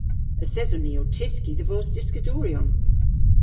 Yth eson ni ow tyski dhe vos dyskadoryon.